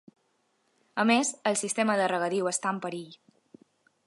A més, el sistema de regadiu està en perill.